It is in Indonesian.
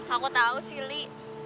aku tahu sih li